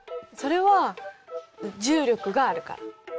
それは重力があるから。